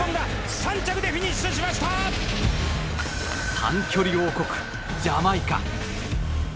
短距離王国ジャマイカ。